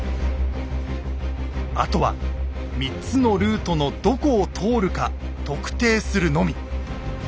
あとは３つのルートのどこを通るか特定するのみ。